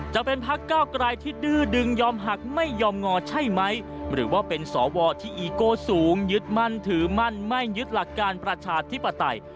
จะเป็นพักเก้าไกลที่ดื้อดึงยอมหักไม่ยอมงอใช่ไหมหรือว่าเป็นสวที่อีโก้สูงยึดมั่นถือมั่นไม่ยึดหลักการประชาธิปไตย